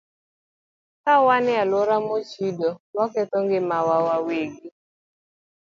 Ka wan e alwora mochido, waketho ngimawa wawegi.